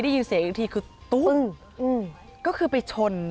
เสียอีกทีคือตุ๊กก็คือไปชน